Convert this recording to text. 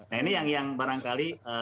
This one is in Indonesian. nah ini yang barangkali